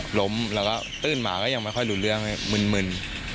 ล้มแล้วก็ตื้นมาก็ยังไม่ค่อยรู้เรื่องมึน